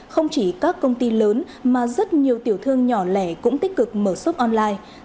không chỉ các công ty lớn mà rất nhiều tiểu thương nhỏ lẻ cũng tích cực mở sốp online